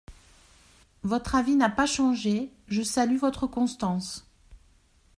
Votre avis n’a pas changé, je salue votre constance.